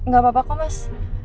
gak apa apa kok mas